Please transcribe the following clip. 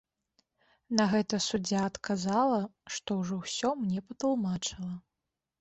На гэта суддзя адказала, што ўжо ўсё мне патлумачыла.